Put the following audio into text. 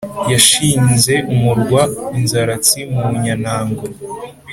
yashinze umurwa i nzaratsi mu nyantango